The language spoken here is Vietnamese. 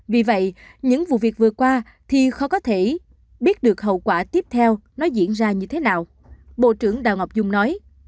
vì vậy những vụ việc vừa qua thì khó có thể biết được hậu quả tiếp theo nó diễn ra như thế nào bộ trưởng đào ngọc dung nói